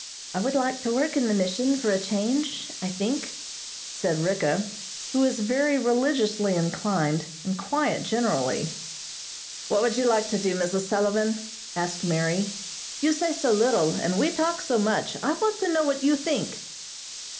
I would like to work in the mission for a change, I think," said Ricka, who was very religiously inclined and quiet generally. "What would you like to do, Mrs. Sullivan?" asked Mary. "You say so little, and we talk so much. I want to know what you think."